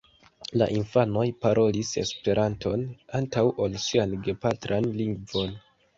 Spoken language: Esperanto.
La infanoj parolis Esperanton antaŭ ol sian gepatran lingvon.